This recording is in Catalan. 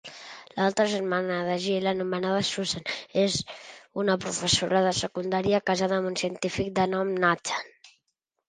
L'altra germana de Gil anomenada Susan és una professora de secundària casada amb un científic de nom Nathan.